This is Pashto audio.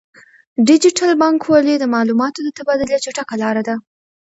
ډیجیټل بانکوالي د معلوماتو د تبادلې چټکه لاره ده.